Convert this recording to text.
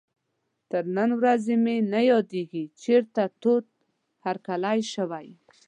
تر نن ورځې مې نه یادېږي چېرته تود هرکلی شوی.